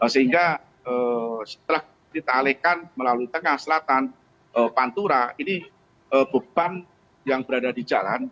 sehingga setelah kita alihkan melalui tengah selatan pantura ini beban yang berada di jalan